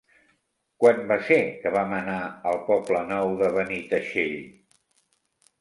Quan va ser que vam anar al Poble Nou de Benitatxell?